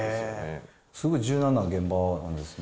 すごい柔軟な現場なんですね。